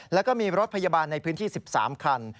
แล้วก็มีรถพยาบาลในพื้นที่๑๓คัน